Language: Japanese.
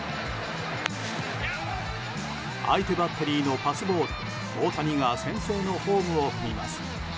相手バッテリーのパスボールで大谷が先制のホームを踏みます。